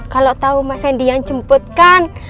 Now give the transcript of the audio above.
kalau tau mas randy yang jemput kan